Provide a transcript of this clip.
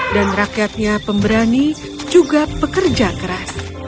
rakyatnya pemberani juga pekerja keras